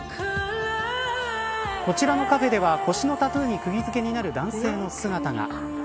こちらのカフェでは腰のタトゥーにくぎ付けになる男性の姿が。